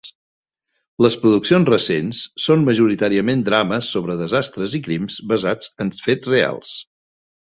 Les produccions recents són majoritàriament drames sobre desastres i crims basats en fets reals.